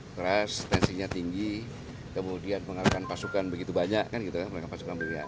keras tensinya tinggi kemudian pengarahan pasukan begitu banyak kan gitu ya